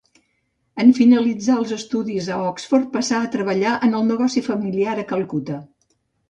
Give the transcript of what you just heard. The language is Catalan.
En finalitzar els estudis a Oxford passà a treballar en el negoci familiar a Calcuta.